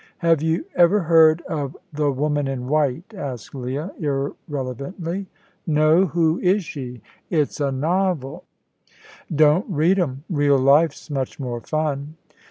"Have you ever heard of The Woman in White?" asked Leah, irrelevantly. "No; who is she?" "It's a novel." "Don't read 'em. Real life's much more fun."